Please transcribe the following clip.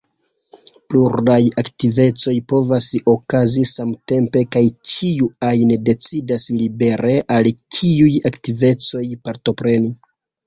Pluraj aktivecoj povas okazi samtempe kaj ĉiu ajn decidas libere al kiuj aktivecoj partopreni.